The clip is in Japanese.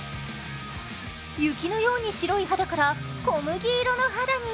雪のように白い肌から小麦色の肌に。